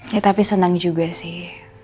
ya tapi senang juga sih